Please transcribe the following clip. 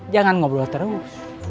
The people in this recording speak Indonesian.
jangan ngobrol terus